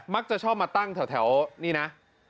มักจะชอบมาตั้งแถวนี่นะ